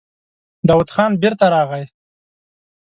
داوود خان بېرته راغی.